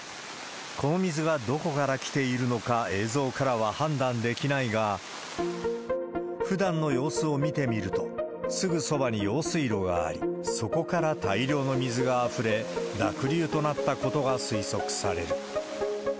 この水がどこから来ているのか、映像からは判断できないが、ふだんの様子を見てみると、すぐそばに用水路があり、そこから大量の水があふれ、濁流となったことが推測される。